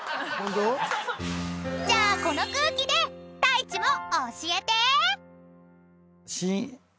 ［じゃあこの空気で太一も教えて］